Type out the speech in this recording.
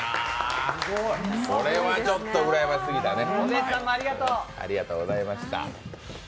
これはちょっとうらやましすぎたね。